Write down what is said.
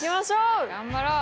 頑張ろう。